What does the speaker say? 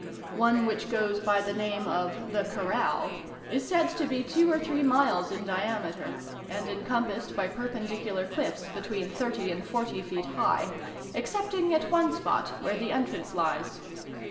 One which goes by the name of the "Corral," is said to be two or three miles in diameter, and encompassed by perpendicular cliffs, between thirty and forty feet high, excepting at one spot, where the entrance lies.